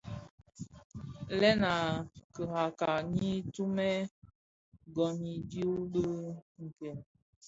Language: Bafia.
Lèn a kirara nyi tumè gom i dhyu di nken.